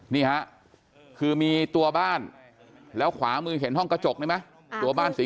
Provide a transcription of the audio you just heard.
นี่ฮะคือมีตัวบ้านแล้วขวามือเห็นห้องกระจกนี่ไหมตัวบ้านสี